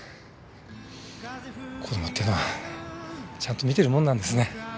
子供っていうのはちゃんと見てるものなんですね。